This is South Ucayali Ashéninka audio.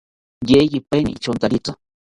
Yeyipaeni ityontaritzi